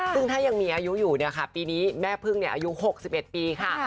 ซึ่งถ้ายังมีอายุอยู่เนี่ยค่ะปีนี้แม่พึ่งอายุ๖๑ปีค่ะ